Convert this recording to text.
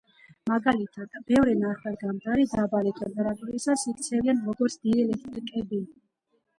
მაგალითად, ბევრი ნახევარგამტარი დაბალი ტემპერატურისას იქცევიან როგორც დიელექტრიკები.